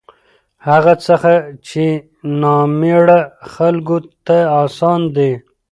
هغه څخه چې نامېړه خلکو ته اسان دي